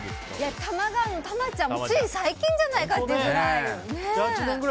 多摩川のタマちゃんもつい最近じゃないかってくらい。